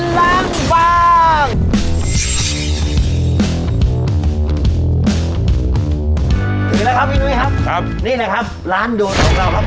เห็นแล้วครับพี่หนุ๊ยครับครับนี่แหละครับร้านโดนของเราครับ